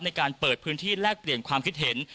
ในการเปิดพื้นที่แลกเปลี่ยนความคิดเห็น